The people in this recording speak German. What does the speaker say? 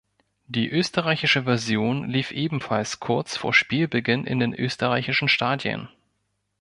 Die österreichische Version lief ebenfalls kurz vor Spielbeginn in den österreichischen Stadien.